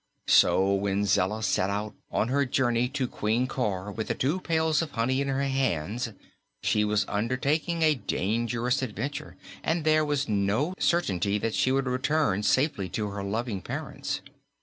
So when Zella set out on her journey to Queen Cor, with the two pails of honey in her hands, she was undertaking a dangerous adventure and there was no certainty that she would return safely to her loving parents.